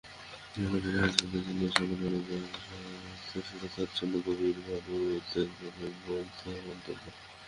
সংগঠনটি হাসপাতালটির এ ঘটনাকে জনস্বাস্থ্যের সুরক্ষার জন্য গভীর উদ্বেগের বলেও মন্তব্য করেছেন।